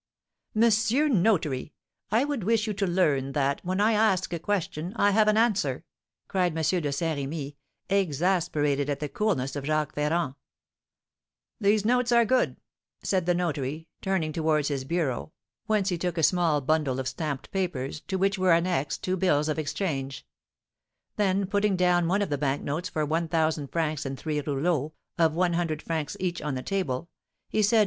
"Monsieur Notary! I would wish you to learn that, when I ask a question, I have an answer!" cried M. de Saint Remy, exasperated at the coolness of Jacques Ferrand. "These notes are good," said the notary, turning towards his bureau, whence he took a small bundle of stamped papers, to which were annexed two bills of exchange; then, putting down one of the bank notes for one thousand francs and three rouleaus, of one hundred francs each, on the table, he said to M.